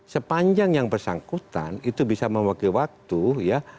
sepanjang yang bersangkutan itu bisa mewakil waktu ya